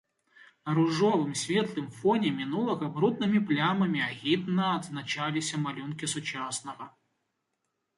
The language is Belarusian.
На ружовым, светлым фоне мінулага бруднымі плямамі агідна адзначаліся малюнкі сучаснага.